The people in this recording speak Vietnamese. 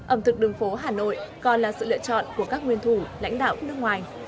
ẩm thực đường phố hà nội còn là sự lựa chọn của các nguyên thủ lãnh đạo nước ngoài